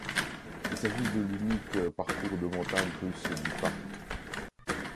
Il s'agit de l'unique parcours de montagnes russes du parc.